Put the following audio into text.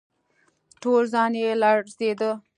ټول ځان يې لړزېده.